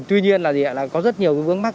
tuy nhiên là có rất nhiều vướng mắt